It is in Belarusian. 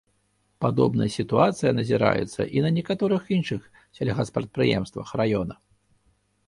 Падобная сітуацыя назіраецца і на некаторых іншых сельгаспрадпрыемствах раёна.